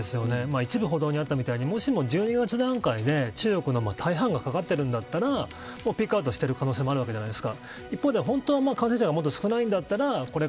一部報道にあったみたいにもし、１２月段階で中国の大半がかかってるんだったらピークアウトしてる可能性もあるじゃないですか。